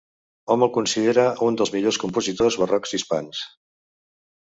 Hom el considera un dels millors compositors barrocs hispans.